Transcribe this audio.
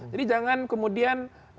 jadi jangan kemudian